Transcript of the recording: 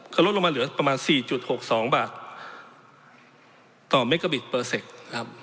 ก็ลดลงมาเหลือประมาณ๔๖๒บาทต่อเมกาบิตเปอร์เซ็นต์นะครับ